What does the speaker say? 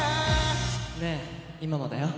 「ねぇ、今もだよ」。